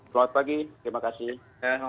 selamat pagi terima kasih